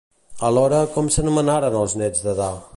Alhora, com s'anomenaren els nets d'Adà?